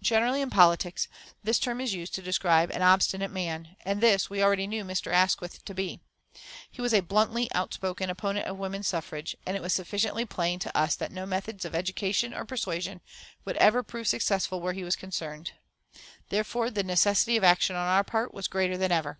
Generally in politics this term is used to describe an obstinate man, and this we already knew Mr. Asquith to be. He was a bluntly outspoken opponent of woman suffrage, and it was sufficiently plain to us that no methods of education or persuasion would ever prove successful where he was concerned. Therefore the necessity of action on our part was greater than ever.